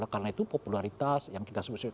karena itu popularitas yang kita sebut sebut